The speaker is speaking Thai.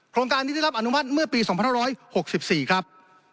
โครงการนี้ได้รับอนุมัติเมื่อปี๒๕๖๔ครับ